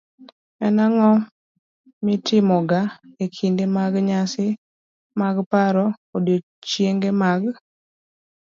en ang'o mitimoga e kinde mag nyasi mag paro odiechienge mag